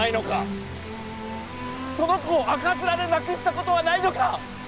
その子を赤面で亡くしたことはないのか！